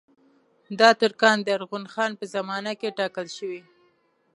دا ترکان د ارغون خان په زمانه کې ټاکل شوي.